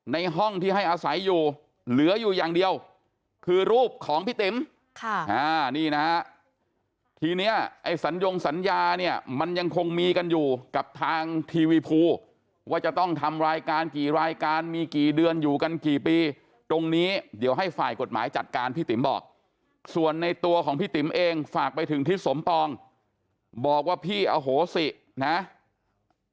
ในห้องที่ให้อาศัยอยู่เหลืออยู่อย่างเดียวคือรูปของพี่ติ๋มค่ะอ่านี่นะฮะทีเนี้ยไอ้สัญญงสัญญาเนี่ยมันยังคงมีกันอยู่กับทางทีวีภูว่าจะต้องทำรายการกี่รายการมีกี่เดือนอยู่กันกี่ปีตรงนี้เดี๋ยวให้ฝ่ายกฎหมายจัดการพี่ติ๋มบอกส่วนในตัวของพี่ติ๋มเองฝากไปถึงทิศสมปองบอกว่าพี่อโหสินะ